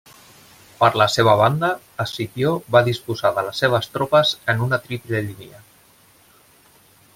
Per la seva banda, Escipió va disposar de les seves tropes en una triple línia.